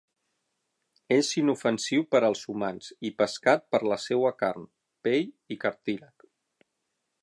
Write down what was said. És inofensiu per als humans i pescat per la seua carn, pell i cartílag.